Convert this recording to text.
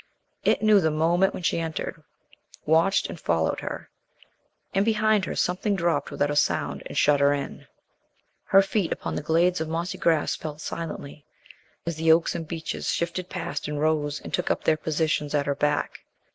It knew the moment when she entered; watched and followed her; and behind her something dropped without a sound and shut her in. Her feet upon the glades of mossy grass fell silently, as the oaks and beeches shifted past in rows and took up their positions at her back.